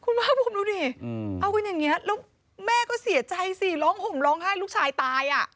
คุณภาคภูมิดูดิเอากันอย่างนี้แล้วแม่ก็เสียใจสิร้องห่มร้องไห้ลูกชายตายอ่ะ